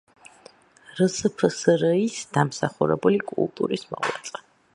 რსფსრ-ის დამსახურებული კულტურის მოღვაწე.